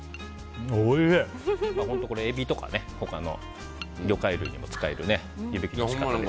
海老とか他の魚介類にも使える湯引きの仕方です。